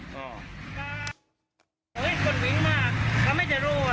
เฮ้ยคนวิ่งมากเราไม่ได้รู้ว่า